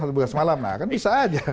satu bertugas malam nah kan bisa aja